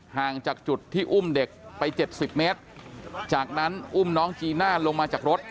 ห่างจากจุดที่อุ้มเด็กไป๗๐เมตรจากนั้นอุ้มน้องจีน่าลงมาจากรถ